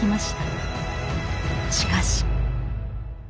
しかし。